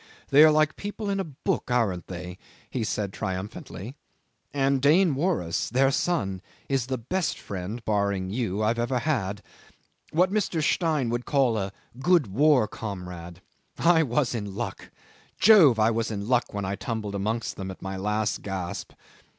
"They are like people in a book, aren't they?" he said triumphantly. "And Dain Waris their son is the best friend (barring you) I ever had. What Mr. Stein would call a good 'war comrade.' I was in luck. Jove! I was in luck when I tumbled amongst them at my last gasp."